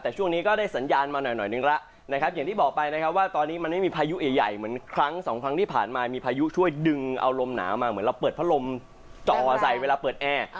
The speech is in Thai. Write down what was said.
แต่ช่วงนี้ก็ได้สัญญาณมาหน่อยนึงแล้วนะครับอย่างที่บอกไปนะครับว่าตอนนี้มันไม่มีพายุใหญ่เหมือนครั้งสองครั้งที่ผ่านมามีพายุช่วยดึงเอาลมหนาวมาเหมือนเราเปิดพัดลมจ่อใส่เวลาเปิดแอร์